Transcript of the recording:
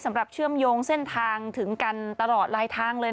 เชื่อมโยงเส้นทางถึงกันตลอดลายทางเลย